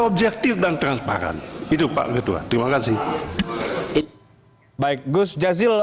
baik gus jazil